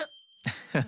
ハハハ。